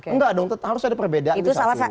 enggak dong harus ada perbedaan